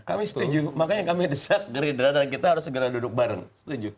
kami setuju makanya kami desak gerindra dan kita harus segera duduk bareng setuju